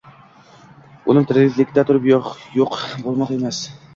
O’lim tiriklikda turib yo’q bo’lmoq emas